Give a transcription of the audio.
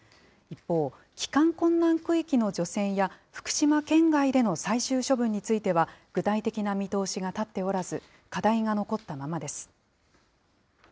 一方、帰還困難区域の除染や福島県外での最終処分については、具体的な見通しが立っておらず、課題が残ったままです。